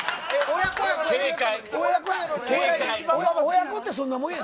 親子ってそんなもんや。